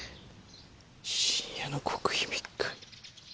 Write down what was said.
「深夜の極秘密会」。